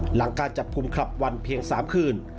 หลังการจับกลุ่มคลับวันเพียง๓คืน